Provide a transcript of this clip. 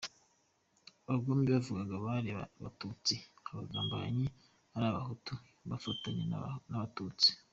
Abagome yavugaga bari Abatutsi, abagambanyi ari Abahutu bafatanya n’Abatutsi.